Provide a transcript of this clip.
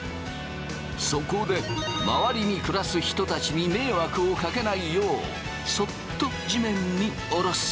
そこで周りに暮らす人たちに迷惑をかけないようそっと地面に下ろす。